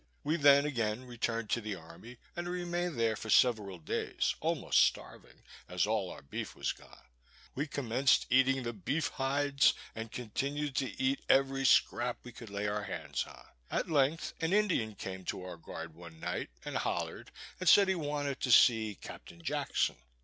We then again returned to the army, and remained there for several days almost starving, as all our beef was gone. We commenced eating the beef hides, and continued to eat every scrap we could lay our hands on. At length an Indian came to our guard one night, and hollered, and said he wanted to see "Captain Jackson."